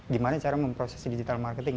gimana cara memproses digital marketing